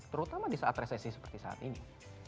terutama di saat resesi seperti saat ini